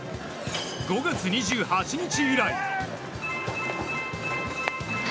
５月２８日以来。